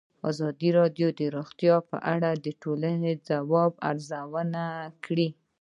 ازادي راډیو د روغتیا په اړه د ټولنې د ځواب ارزونه کړې.